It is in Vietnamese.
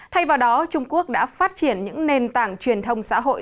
thay vào đó trung quốc đã phát triển những nền tảng truyền thông xã hội